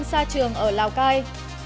học sinh xa trường ở lào cai